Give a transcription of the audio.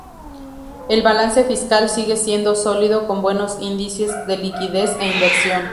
El balance fiscal sigue siendo sólido con buenos índices de liquidez e inversión.